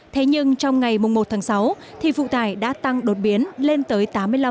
thế nhưng trong ngày một tháng sáu thì phụ tải đã tăng đột biến lên tới tám mươi năm